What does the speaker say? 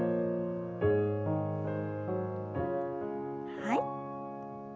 はい。